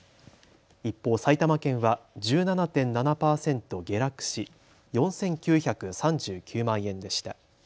一方、埼玉県は１７．７％下落し４９３９万円でした。